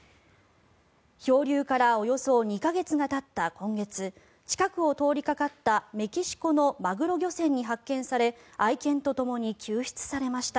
漂流から、およそ２か月がたった今月近くを通りかかったメキシコのマグロ漁船に発見され愛犬とともに救出されました。